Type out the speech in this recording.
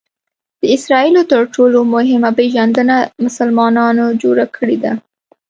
د اسراییلو تر ټولو مهمه پېژندنه مسلمانانو جوړه کړې ده.